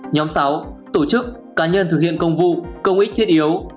nhóm sáu tổ chức cá nhân thực hiện công vụ công ích thiết yếu